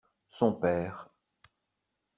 Son père.